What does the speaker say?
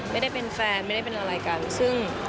ไม่ได้เป็นแฟนไม่ได้เป็นอะไรกันซึ่ง